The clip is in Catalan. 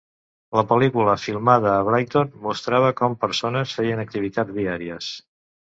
La pel·lícula filmada a Brighton, mostrava com persones feien activitats diàries.